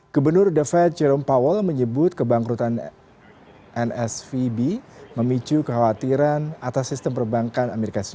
gubernur the fed jerome powell menyebut kebangkrutan nsvb memicu kekhawatiran atas sistem perbankan as